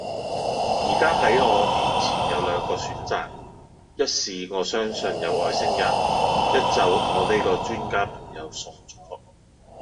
依家系我面前有兩個選擇，一是我相信有外星人，一就我呢個專家朋友傻左